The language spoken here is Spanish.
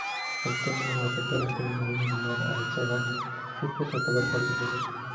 El tema de apertura de la telenovela "Amar... al salvaje" es interpretado por Silvestre.